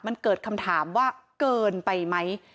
มันเกิดคำถามว่าเกินไปไหม